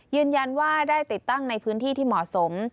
ยืนยันว่าได้ติดตั้งในพื้นที่ที่เหมาะสม